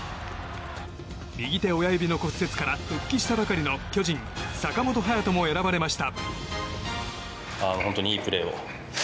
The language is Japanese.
右手親指の骨折から復帰したばかりの巨人・坂本勇人も選ばれました。